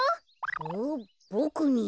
んっボクに？